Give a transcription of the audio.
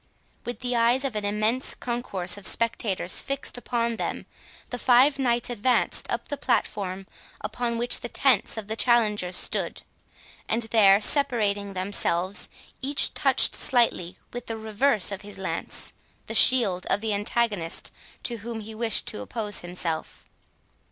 With the eyes of an immense concourse of spectators fixed upon them, the five knights advanced up the platform upon which the tents of the challengers stood, and there separating themselves, each touched slightly, and with the reverse of his lance, the shield of the antagonist to whom he wished to oppose himself.